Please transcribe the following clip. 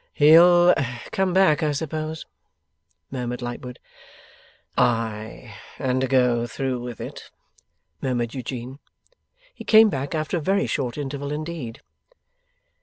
'He'll come back, I suppose?' murmured Lightwood. 'Ay! and go through with it,' murmured Eugene. He came back after a very short interval indeed.